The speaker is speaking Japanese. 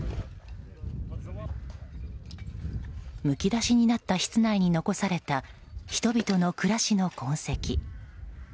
むき出しになった室内に残された人々の暮らしの痕跡。